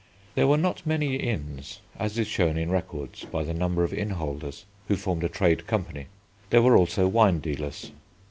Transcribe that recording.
There were not many inns, as is shown in records by the number of innholders, who formed a trade company. There were also wine dealers.